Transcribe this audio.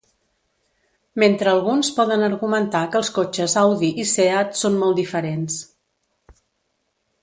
Mentre alguns poden argumentar que els cotxes Audi i Seat són molt diferents.